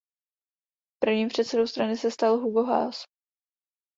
Prvním předsedou strany se stal Hugo Haase.